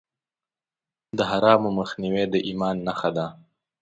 د حرامو مخنیوی د ایمان نښه ده.